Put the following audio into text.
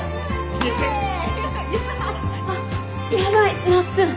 あっヤバいなっつん。